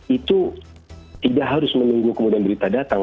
itu tidak harus menunggu kemudian berita datang